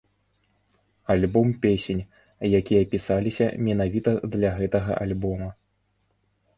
Альбом песень, якія пісаліся менавіта для гэтага альбома.